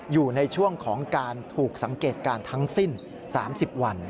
อยู่ในช่วงของการถูกสังเกตการณ์ทั้งสิ้น๓๐วัน